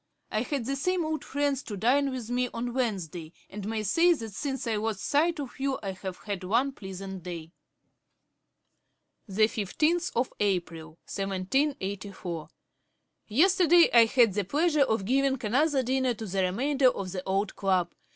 I had the same old friends to dine with me on Wednesday, and may say that since I lost sight of you I have had one pleasant day.' Ib. p. 346. 'April 15, 1784. Yesterday I had the pleasure of giving another dinner to the remainder of the old club.